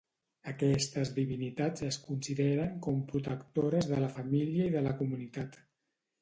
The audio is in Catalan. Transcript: Aquestes divinitats es consideren com protectores de la família i de la comunitat.